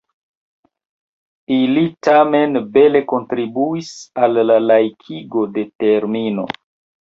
Ili tamen bele kontribuis al la laikigo de termino.